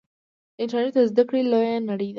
انټرنیټ د زده کړې لویه نړۍ ده.